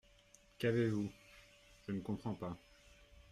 Qu’avez-vous ? je ne comprends pas.